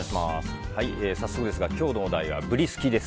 早速ですが、今日のお題はブリすきです。